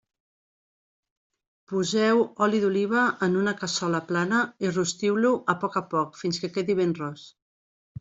Poseu oli d'oliva en una cassola plana i rostiu-lo, a poc a poc, fins que quedi ben ros.